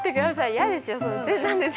嫌ですよ